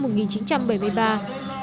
đồng chí khẳng định mối quan hệ bạn bè